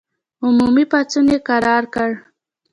عمومي پاڅون یې کرار کړ.